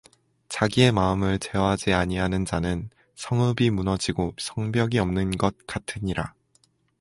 자기의 마음을 제어하지 아니하는 자는 성읍이 무너지고 성벽이 없는 것 같으니라